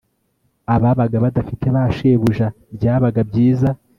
ababaga badafite ba shebuja byabaga byiza